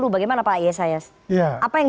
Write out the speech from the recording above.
bagaimana pak yesayas apa yang